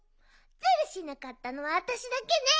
ずるしなかったのはわたしだけね！